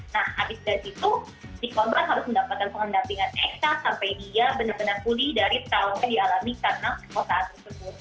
nah habis dari situ si korban harus mendapatkan pengendampingan ekstra sampai dia benar benar pulih dari tahun yang dialami karena kekosaan tersebut